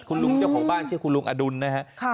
คุณลุงเจ้าของบ้านชื่อคุณลุงอดุลนะฮะ